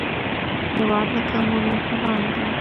هیواد لکه مور مهربانه دی